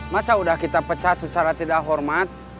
masa sudah kita pecat secara tidak hormat